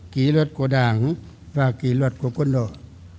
kỷ luật của đảng và kỷ luật của quân đội